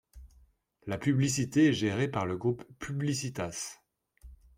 La publicité est gérée par le groupe Publicitas.